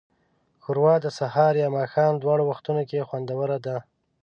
ښوروا د سهار یا ماښام دواړو وختونو کې خوندوره ده.